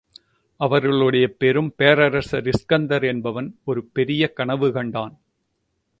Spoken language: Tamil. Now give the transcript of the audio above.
அவர்களுடைய பெரும் பேரரசர் இஸ்கந்தர் என்பவன் ஒரு பெரிய கனவு கண்டான்.